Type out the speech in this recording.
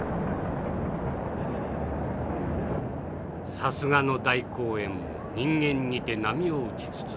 「さすがの大公園も人間にて波を打ちつつあり。